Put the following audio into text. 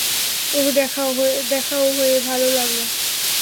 ওহ - দেখাও হয়ে ভালো লাগল।